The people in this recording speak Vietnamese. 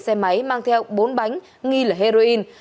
xe máy mang theo bốn bánh nghi là heroin